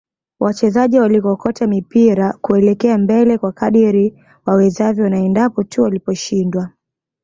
Wachezaji walikokota mipira kuelekea mbele kwa kadri wawezavyo na endapo tu waliposhindwa